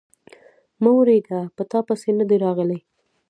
_مه وېرېږه، په تاپسې نه دي راغلی.